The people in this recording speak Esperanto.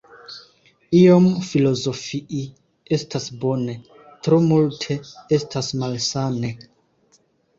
Iom filozofii estas bone, tro multe estas malsane.